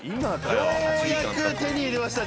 ようやく手に入れました。